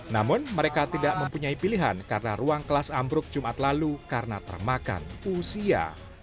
namun mereka tidak mempunyai pilihan karena ruang kelas ambruk jumat lalu karena termakan usia